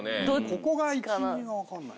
ここが１・２が分かんない。